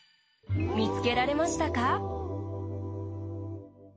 みつけられましたか？